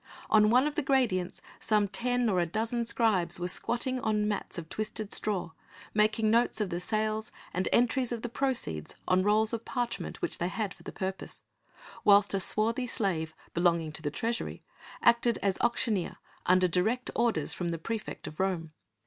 On one of the gradients some ten or a dozen scribes were squatting on mats of twisted straw, making notes of the sales and entries of the proceeds on rolls of parchment which they had for the purpose, whilst a swarthy slave, belonging to the treasury, acted as auctioneer under direct orders from the praefect of Rome.